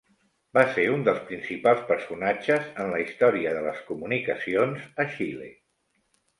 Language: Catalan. Va ser un dels principals personatges en la història de les comunicacions a Xile.